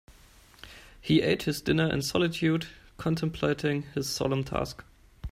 He ate his dinner in solitude, contemplating his solemn task.